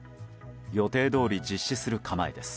予定どおり実施する構えです。